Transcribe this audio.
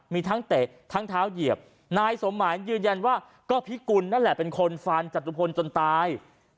มีทั้งเตะทั้งเท้าเหยียบนายสมหมายยืนยันว่าก็พิกุลนั่นแหละเป็นคนฟันจตุพลจนตาย